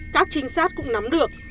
các trinh sát cũng nắm được